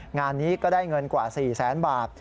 งานนี้ก็ได้เงินกว่า๔แสนบาท